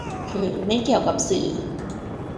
หรือไม่เกี่ยวกับสื่อ